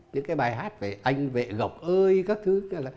những cái bài hát về anh vệ gọc ơi các thứ